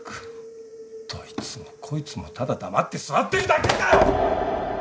どいつもこいつもただ黙って座ってるだけかよ！